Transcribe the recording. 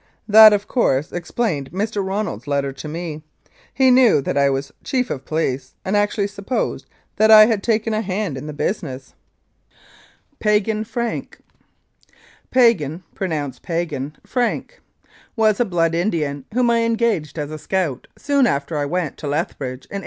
That, of course, ex plained Mr. Ronald's letter to me; he knew that I was Chief of the Police and actually supposed that I had taken a hand in the business ! 276 Incidents of Mounted Police Life "PIEGAN FRANK" " Piegan (pronounced Paygan) Frank " was a Blood Indian, whom I engaged as a scout soon after I went to Lethbridge in 1888.